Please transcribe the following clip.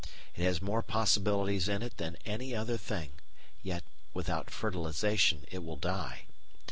It has more possibilities in it than any other thing, yet without fertilisation it will die.